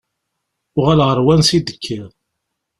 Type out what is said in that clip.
Uɣaleɣ ɣer wansi i d-kkiɣ.